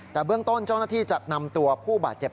แต่เบื้องต้นเจ้าหน้าที่จะนำตัวผู้บาดเจ็บ